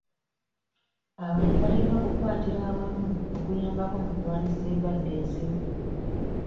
Abantu balina okukwatira awamu okuyambako mu kulwanyisa endwadde ezimu.